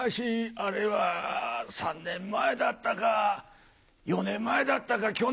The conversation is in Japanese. あれは３年前だったか４年前だったか去年。